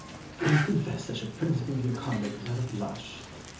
Ximenes. Can you confess such a principle of your conduct without a blush?